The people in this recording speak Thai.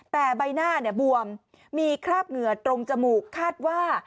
แต่ใบหน้าบวมมีคราบเหงื่อตรงจมูกคาดว่า